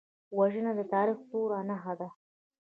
وژنه د تاریخ توره نښه ده